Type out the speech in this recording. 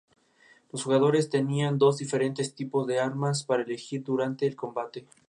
Los jugadores tenían dos diferentes tipos de armas para elegir durante el combate.